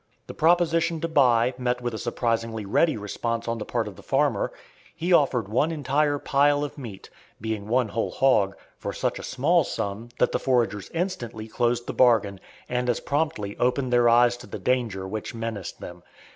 The proposition to buy met with a surprisingly ready response on the part of the farmer. He offered one entire pile of meat, being one whole hog, for such a small sum that the foragers instantly closed the bargain, and as promptly opened their eyes to the danger which menaced them.